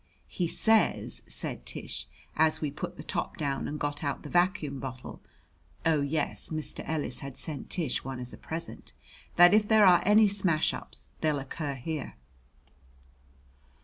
"He says," said Tish, as we put the top down and got out the vacuum bottle oh, yes, Mr. Ellis had sent Tish one as a present "that if there are any smashups they'll occur here."